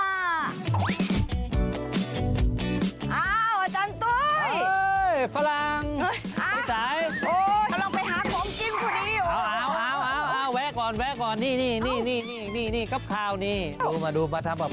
อ้าวอาจารย์ตุ๊ยโอ๊ยฝรั่งพี่สายโอ๊ย